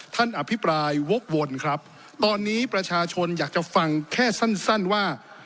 อภิปรายวกวนครับตอนนี้ประชาชนอยากจะฟังแค่สั้นสั้นว่า